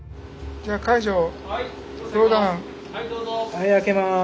・はい開けます。